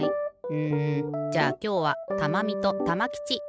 うんじゃあきょうはたまみとたまきちいってくれ。